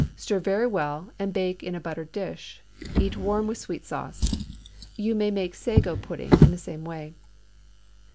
Stir very well, and bake in a buttered dish. Eat warm with sweet sauce. You may make a sago pudding in the same way.